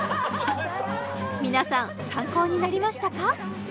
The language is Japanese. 皆さん参考になりましたか？